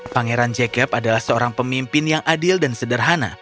pangeran jacob adalah seorang pemimpin yang adil dan sederhana